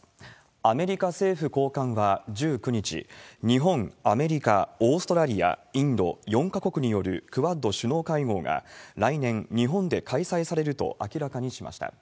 アメリカ政府高官は１９日、日本、アメリカ、オーストラリア、インド、４か国によるクアッド首脳会合が、来年、日本で開催されると明らかにしました。